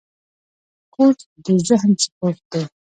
کورس د ذهن سپورټ دی.